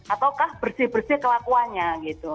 ataukah bersih bersih kelakuannya gitu